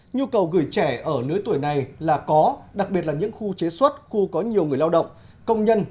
nhu cầu gửi trẻ ở lứa tuổi này là có đặc biệt là những khu chế xuất khu có nhiều người lao động công nhân